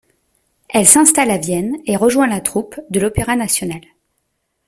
Elle s'installe à Vienne et rejoint la troupe de l'Opéra national.